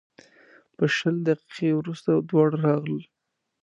په شل دقیقې وروسته دواړه راغلل.